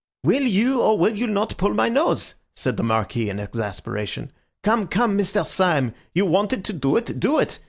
"Will you or will you not pull my nose?" said the Marquis in exasperation. "Come, come, Mr. Syme! You wanted to do it, do it!